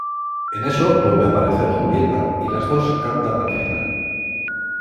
En eso vuelve a aparecer Julieta y las dos cantan al final.